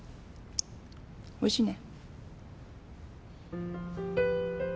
おいしいね。